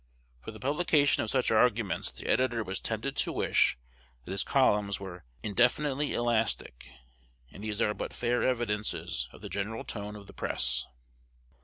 For the publication of such arguments the editor was "tempted to wish" that his columns "were indefinitely elastic." And these are but fair evidences of the general tone of the press.